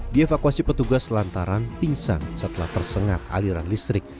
dievakuasi petugas lantaran pingsan setelah tersengat aliran listrik